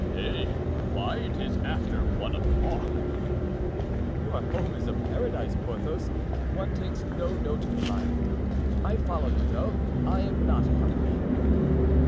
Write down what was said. "Eh! why, it is after one o'clock." "Your home is a paradise, Porthos; one takes no note of time. I follow you, though I am not hungry."